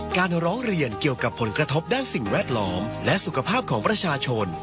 ร้องเรียนเกี่ยวกับผลกระทบด้านสิ่งแวดล้อมและสุขภาพของประชาชน